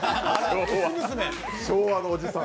昭和のおじさん。